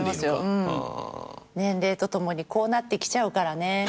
年齢とともにこうなってきちゃうからね。